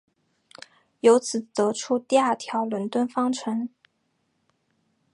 由此得出第二条伦敦方程。